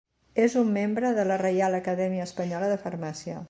És un membre de la Reial Acadèmia Espanyola de Farmàcia.